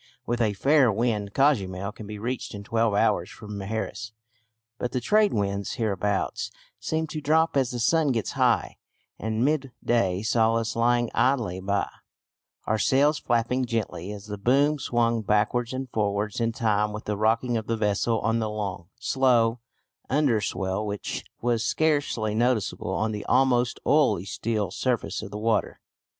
With a fair wind Cozumel can be reached in twelve hours from Mujeres; but the trade winds hereabouts seem to drop as the sun gets high, and midday saw us lying idly by, our sails flapping gently as the boom swung backwards and forwards in time with the rocking of the vessel on the long, slow underswell which was scarcely noticeable on the almost oily still surface of the water.